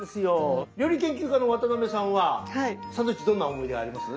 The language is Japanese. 料理研究家の渡辺さんはサンドイッチどんな思い出あります？